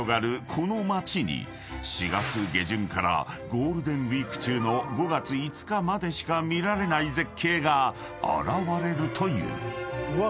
この町に４月下旬からゴールデンウイーク中の５月５日までしか見られない絶景が現れるという］